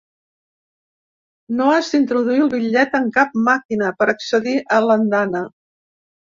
No has d’introduir el bitllet en cap màquina per accedir a l’andana.